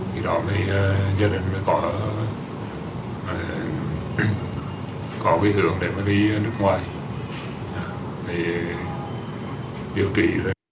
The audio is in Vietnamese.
thì đó thì gia đình mới có vĩ hưởng để đi nước ngoài